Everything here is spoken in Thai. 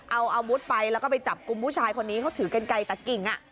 เอาอาวุธไปแล้วก็ไปจับกลุ่มผู้ชายคนนี้เขาถือกันไกลตัดกิ่ง